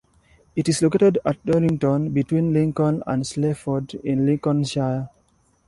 It is located at Dorrington, between Lincoln and Sleaford, in Lincolnshire.